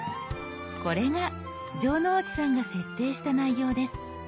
これが城之内さんが設定した内容です。